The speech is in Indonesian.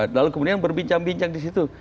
lalu kemudian berbincang bincang disitu